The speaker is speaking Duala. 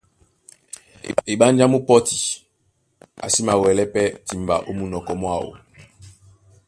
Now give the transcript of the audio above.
Eɓánjá mú pɔ́ti, a sí mawɛlɛ́ pɛ́ timba ó munɔkɔ mwáō,